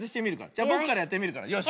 じゃぼくからやってみるから。